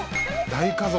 大家族。